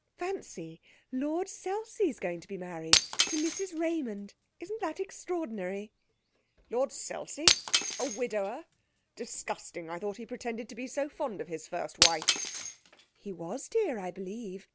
Fancy, Lord Selsey's going to be married to Mrs Raymond. Isn't that extraordinary?' 'Lord Selsey a widower! Disgusting! I thought he pretended to be so fond of his first wife.' 'He was, dear, I believe.